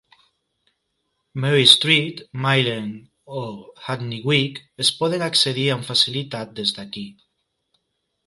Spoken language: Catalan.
Mare Street, Mile End o Hackney Wick es poden accedir amb facilitat des d'aquí.